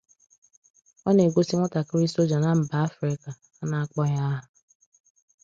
Ọ na-egosi nwatakịrị soja na mba Afrịka, a na-akpọghị aha.